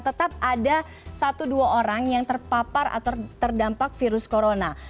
tetap ada satu dua orang yang terpapar atau terdampak virus corona